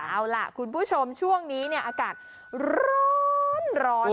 เอาล่ะคุณผู้ชมช่วงนี้เนี่ยอากาศร้อน